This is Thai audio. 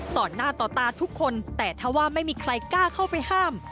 ต่อหน้าต่อตาทุกคนแต่ถ้าว่าไม่มีใครกล้าเข้าไปห้าม